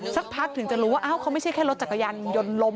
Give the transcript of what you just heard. สักพักถึงจะรู้ว่าอ้าวเขาไม่ใช่แค่รถจักรยานยนต์ล้ม